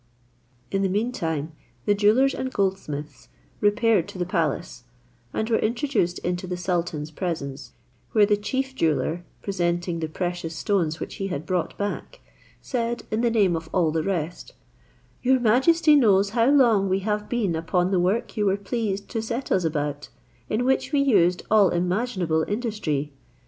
In the meantime, the jewellers and goldsmiths repaired to the palace, and were introduced into the sultan's presence; where the chief jeweller, presenting the precious stones which he had brought back, said, in the name of all the rest, "Your majesty knows how long we have been upon the work you were pleased to set us about, in which we used all imaginable industry.